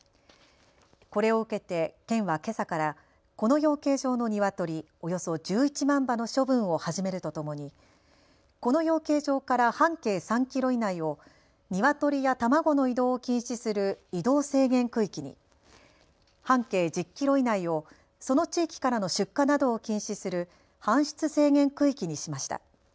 これを受けて県は、けさからこの養鶏場のニワトリおよそ１１万羽の処分を始めるとともにこの養鶏場から半径３キロ以内をニワトリや卵の移動を禁止する移動制限区域に、半径１０キロ以内をその地域からの出荷などを禁止する搬出制限区域にしました。